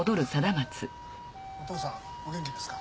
お父さんお元気ですか？